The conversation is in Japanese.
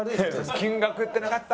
金額言ってなかった！